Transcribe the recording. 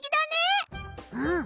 うん。